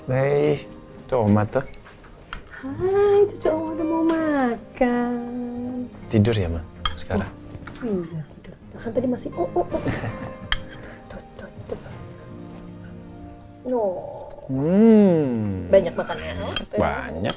hai coba tuh hai coba mau makan tidur ya sekarang